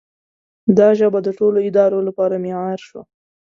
دا ژبه د ټولو ادارو لپاره معیار شوه.